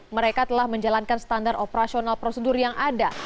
mereka telah menjalankan standar operasional prosedur yang ada